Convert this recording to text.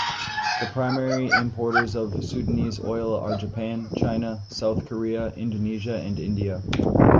The primary importers of Sudanese oil are Japan, China, South Korea, Indonesia, and India.